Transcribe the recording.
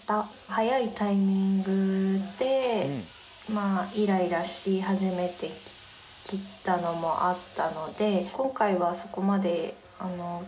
早いタイミングでイライラし始めてきたのもあったので。